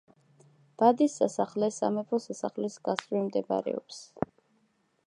ბადის სასახლე სამეფო სასახლის გასწვრივ მდებარეობს.